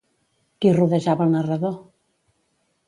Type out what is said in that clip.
Qui rodejava el narrador?